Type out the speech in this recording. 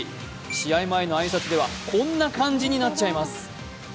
試合前の挨拶ではこんな感じになっちゃいます